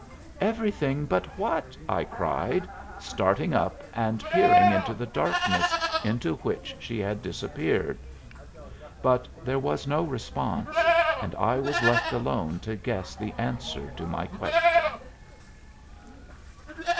"Everything but what?" I cried, starting up and peering into the darkness into which she had disappeared. But there was no response, and I was left alone to guess the answer to my question.